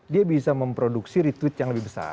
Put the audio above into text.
dia bisa memproduksi retweet yang lebih besar